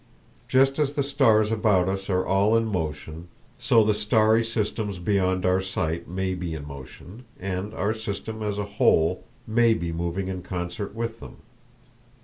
Just as the stars about us are all in motion, so the starry systems beyond our sight may be in motion, and our system as a whole may be moving in concert with them.